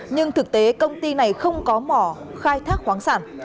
nhưng thực tế công ty này không có mỏ khai thác khoáng sản